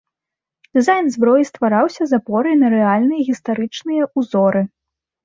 Дызайн зброі ствараўся з апорай на рэальныя гістарычныя ўзоры.